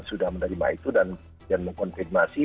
sudah menerima itu dan mengkonfirmasi